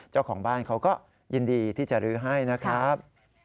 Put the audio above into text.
เจ้าของบ้านเขาก็ยินดีที่จะลื้อให้นะครับ